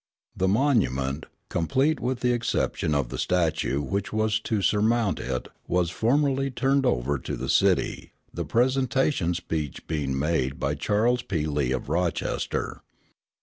The monument, complete with the exception of the statue which was to surmount it, was formally turned over to the city, the presentation speech being made by Charles P. Lee of Rochester.